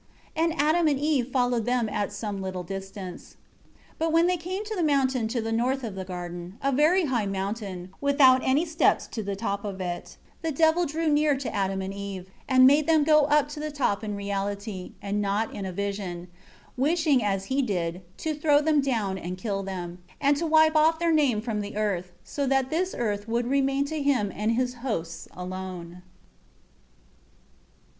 9 And Adam and Eve followed them at some little distance. 10 But when they came to the mountain to the north of the garden, a very high mountain, without any steps to the top of it, the Devil drew near to Adam and Eve, and made them go up to the top in reality, and not in a vision; wishing, as he did, to throw them down and kill them, and to wipe off their name from the earth; so that this earth should remain to him and his hosts alone.